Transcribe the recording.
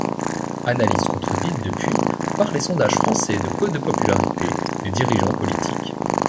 Analyse contredite depuis par les sondages français de cote de popularité des dirigeants politiques.